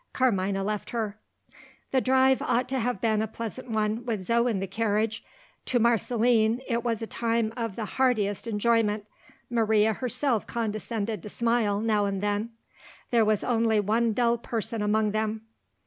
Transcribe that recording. Carmina left her. The drive ought to have been a pleasant one, with Zo in the carriage. To Marceline, it was a time of the heartiest enjoyment. Maria herself condescended to smile, now and then. There was only one dull person among them.